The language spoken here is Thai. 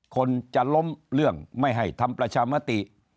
คนจะล้มเรื่องไม่ให้ทำประชามติ